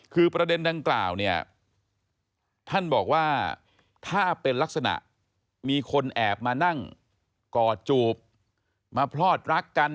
คือประเด็นดังกล่าวเนี่ยท่านบอกว่าถ้าเป็นลักษณะมีคนแอบมานั่งกอดจูบมาพลอดรักกัน